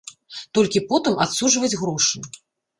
Толькі потым адсуджваць грошы.